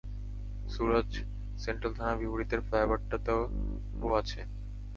সুরাজ, central থানার বিপরীতের ফ্লাইওভারটাতে ও আছে।